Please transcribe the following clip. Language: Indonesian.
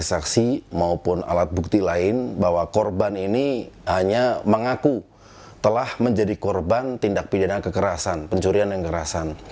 pelaku mengaku oleh pelaku bahwa pelaku itu tidak mau menjelaskan penjualan porsi maupun alat bukti lain bahwa korban ini hanya mengaku telah menjadi korban tindak pidana pencurian dengan kekerasan